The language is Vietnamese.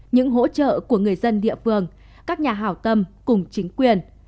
những hỗ trợ của người dân địa phương các nhà hảo tâm cùng chính quyền